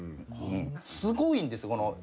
すごいんですよ。